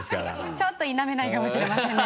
ちょっと否めないかもしれませんね。